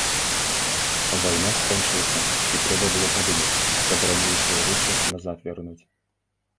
Вайна скончылася, і трэба было падумаць, каб ранейшыя вочы назад вярнуць.